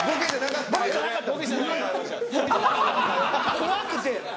怖くて。